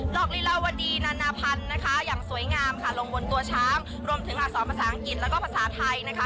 อกลีลาวดีนานาพันธ์นะคะอย่างสวยงามค่ะลงบนตัวช้างรวมถึงอักษรภาษาอังกฤษแล้วก็ภาษาไทยนะคะ